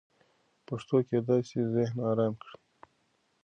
پښتو کېدای سي ذهن ارام کړي.